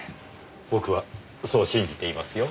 僕はそう信じていますよ。